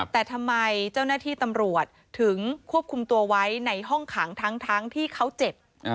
แต่ทำไมเจ้าหน้าที่ตำรวจถึงควบคุมตัวไว้ในห้องขังทั้งที่เขาเจ็บ